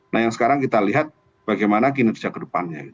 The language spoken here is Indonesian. nah yang sekarang kita lihat bagaimana kinerja kedepannya